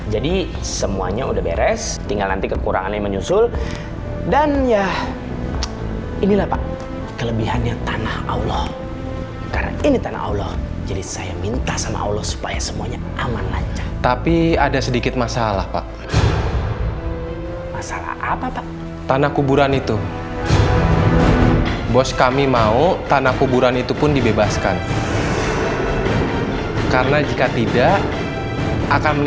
jadi semuanya udah beres tinggal nanti kekurangannya menyusul dan ya inilah pak kelebihannya tanah allah karena ini tanah allah jadi saya minta sama allah supaya semuanya aman lancar tapi ada sedikit masalah pak masalah apa pak tanah kuburan itu bos kami mau tanah kuburan itu pun dibebaskan